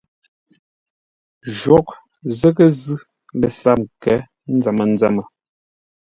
Jwóghʼ zə́ghʼə́ zʉ́ lə sáp nkə̌ nzəm-nzəmə.